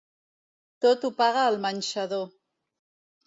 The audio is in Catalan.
Tot ho paga el manxador.